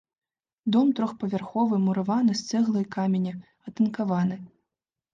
Дом трохпавярховы, мураваны з цэглы і каменя, атынкаваны.